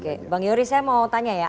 oke bang yoris saya mau tanya ya